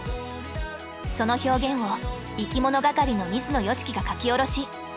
その表現をいきものがかりの水野良樹が書き下ろし。